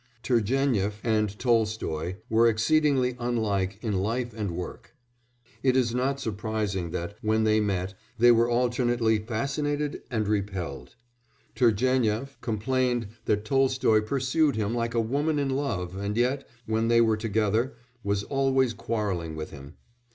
Turgénief and Tolstoy were exceedingly unlike in life and work; it is not surprising that, when they met, they were alternately fascinated and repelled. Turgénief complained that Tolstoy pursued him like a woman in love and yet, when they were together, was always quarrelling with him.